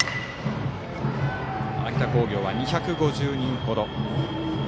有田工業は２５０人ほど。